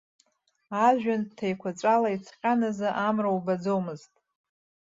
Ажәҩан ԥҭа еиқәаҵәала иҵҟьан азы амра убаӡомызт.